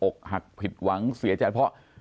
อกหักผิดหวังเสียใจเพราะ